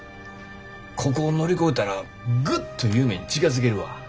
ここを乗り越えたらグッと夢に近づけるわ。